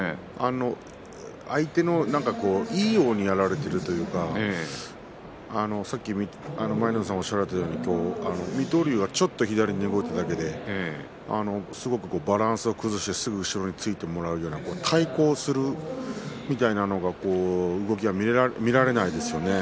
相手のいいようにやられているというか舞の海さんもおっしゃっていましたけども水戸龍はちょっと左に動いただけですごくバランスを崩してすぐ後ろについてもらうような対抗するいろんなものが動きが見られないんですね。